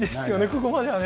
ここまでは。